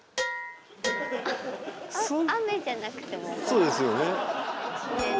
そうですよね。